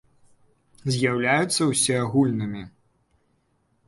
З’яўляюцца ўсеагульнымі.